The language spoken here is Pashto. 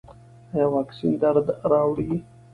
ایا واکسین درد راوړي؟